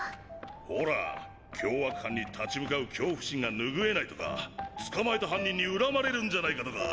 ほら凶悪犯に立ち向かう恐怖心が拭えないとか捕まえた犯人に恨まれるんじゃないかとか。